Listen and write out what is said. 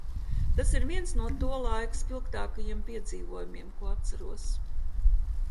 Tas ir viens no to laiku spilgtākajiem piedzīvojumiem, ko atceros.